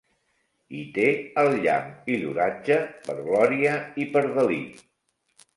I té el llamp i l'oratge per glòria i per delit.